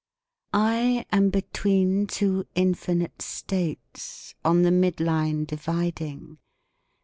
I am between two infinite states on the mid line dividing.